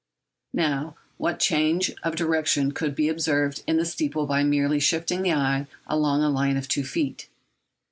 Now, what change of direction could be observed in the steeple by merely shifting the eye along a line of two feet?